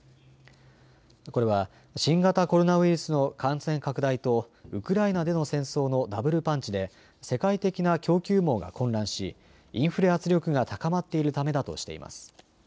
これは新型コロナウイルスの感染拡大とウクライナでの戦争のダブルパンチで世界的な供給網が混乱しインフレ圧力が高まっているためだとしています。